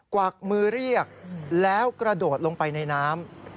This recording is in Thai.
กวักมือเรียกแล้วกระโดดลงไปในน้ำ